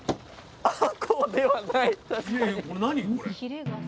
あこうではない確かに。